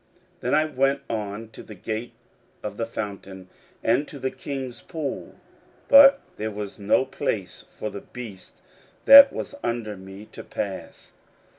16:002:014 Then I went on to the gate of the fountain, and to the king's pool: but there was no place for the beast that was under me to pass.